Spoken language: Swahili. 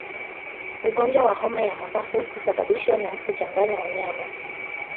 Ugonjwa wa homa ya mapafu husababishwa na kuchanganya wanyama